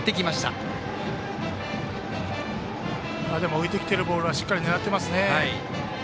浮いてきてるボールはしっかり狙ってますね。